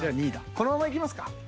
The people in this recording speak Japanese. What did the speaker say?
このままいきますか？